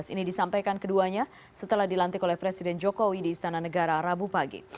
ini disampaikan keduanya setelah dilantik oleh presiden jokowi di istana negara rabu pagi